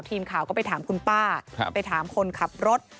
ทีมข่าวก็ไปถามคุณป้าไปถามคนขับรถ